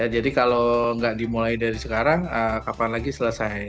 jadi kalau tidak dimulai dari sekarang kapan lagi selesai